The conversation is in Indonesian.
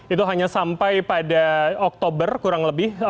itu hanya sampai pada oktober kurang lebih